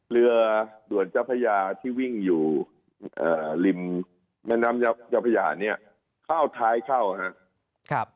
เรือด่วนเจ้าพระยาที่วิ่งอยู่ริมแม่น้ำเจ้าพระยาเนี่ยเข้าท้ายเข้าครับ